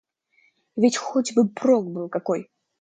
И ведь хоть бы прок был какой!